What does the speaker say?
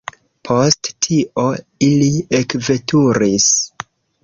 Post tio, ili ekveturis.